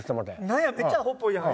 何やめっちゃアホっぽいやん。